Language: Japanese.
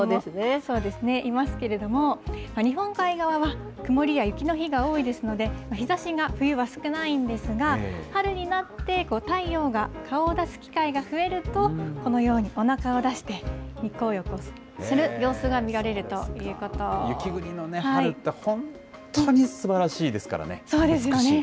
そうですね、いますけれども、日本海側は、曇りや雪の日が多いですので、日ざしが冬は少ないんですが、春になって太陽が顔を出す機会が増えると、このように、おなかを出して、日光浴をする様雪国の春って本当にすばらしそうですよね。